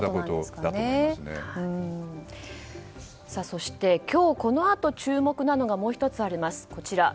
そして、今日このあと注目なのがもう１つあります。